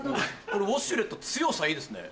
これウォシュレット強さいいですね。